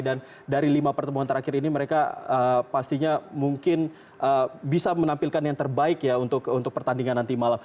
dan dari lima pertemuan terakhir ini mereka pastinya mungkin bisa menampilkan yang terbaik ya untuk pertandingan nanti malam